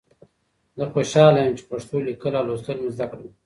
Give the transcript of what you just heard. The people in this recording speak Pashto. زه خوشحاله یم چې پښتو لیکل او لوستل مې زده کړل.